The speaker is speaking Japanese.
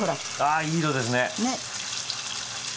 あいい色ですね。ね。